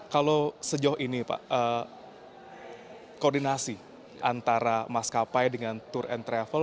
kalau sejauh ini pak koordinasi antara maskapai dengan tour and travel